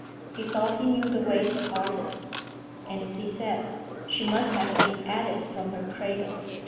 He thought he knew the ways of artists, and, as he said, she must have been "at it from her cradle."